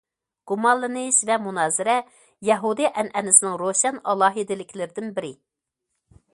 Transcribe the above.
گۇمانلىنىش ۋە مۇنازىرە يەھۇدىي ئەنئەنىسىنىڭ روشەن ئالاھىدىلىكلىرىدىن بىرى.